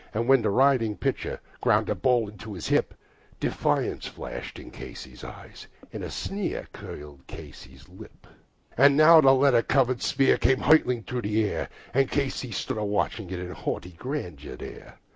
And when the writhing pitcher ground the ball into his hip, Defiance gleamed in Casey's eye; a sneer curled Casey's lip. And now the leather covered sphere comes hurtling through the air, And Casey stands a watching it in haughty grandeur there.